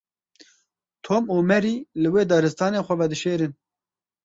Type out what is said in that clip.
Tom û Mary li wê daristanê xwe vedişêrin.